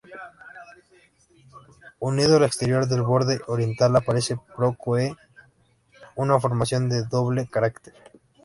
Unido al exterior del borde oriental aparece "Proclo E", una formación de doble cráter.